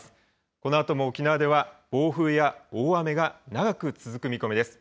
このあとも沖縄では暴風や大雨が長く続く見込みです。